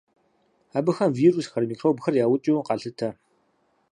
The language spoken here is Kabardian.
Абыхэм вирусхэр, микробхэр яукӏыу къалъытэ.